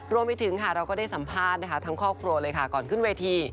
รวมไปถึงค่ะเราก็ได้สัมภาษณ์นะคะทั้งครอบครัวเลยค่ะก่อนขึ้นเวที